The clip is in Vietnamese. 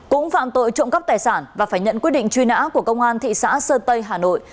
cũng phạm tội trộm cắp tài sản và phải nhận quyết định truy nã của công an thị xã sơn tây hà nội